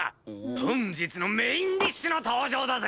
本日のメインディッシュの登場だぜ！